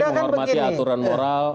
sebentar ini kan ada kan begini